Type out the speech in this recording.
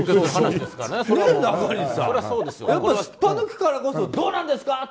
すっぱ抜くからこそどうなんですか？